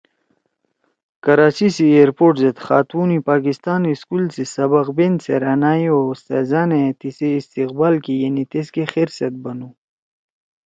کراچی سی ائرپورٹ زید خاتون پاکستان سکول سی سبق بین سیرأن ئے او اُستاذأن ئے تیِسی استقبال کی یعنی تیسکے خیر سیت بنُو